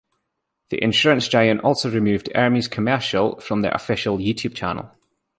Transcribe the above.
The insurance giant also removed Ermey's commercial from their official YouTube channel.